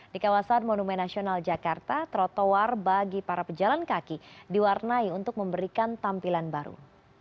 di kawasan monumen nasional jakarta trotoar bagi para pejalan kaki diwarnai untuk memberikan tampilan baru